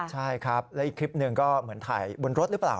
ใช่ครับแล้วอีกคลิปหนึ่งก็เหมือนถ่ายบนรถหรือเปล่า